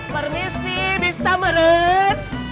permisi bisa meren